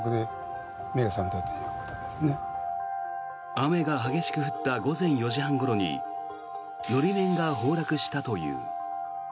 雨が激しく降った午前４時半ごろに法面が崩落したという。